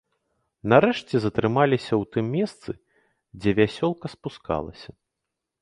Нарэшце затрымаліся ў тым месцы, дзе вясёлка спускалася.